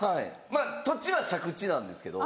まぁ土地は借地なんですけど。